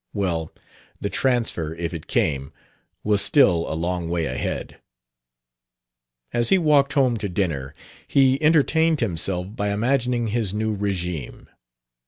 Well, the transfer, if it came, was still a long way ahead. As he walked home to dinner he entertained himself by imagining his new regime.